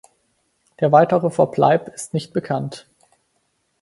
Der weitere Verbleib ist nicht bekannt.